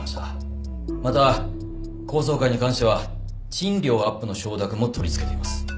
また高層階に関しては賃料アップの承諾も取り付けています。